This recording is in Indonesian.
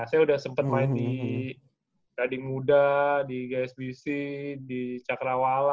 saya udah sempet main di rading muda di gsbc di cakrawala